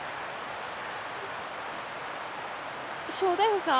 正太夫さん？